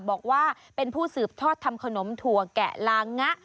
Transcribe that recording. บอกว่าเป็นผู้สืบทอดทำขนมถั่วแกะลางะ